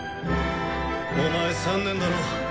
お前３年だろ？